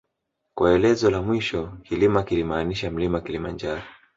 Kwa elezo la mwisho Kilima kilimaanisha mlima njaro